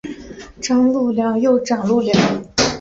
张路寮又掌路寮。